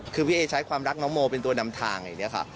คือพี่เอใช้ความรักน้องโมเป็นตัวนำทางอย่างนี้ค่ะ